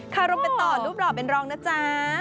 ค่ะเราไปต่อรูปรอบเป็นรองนะจ๊ะ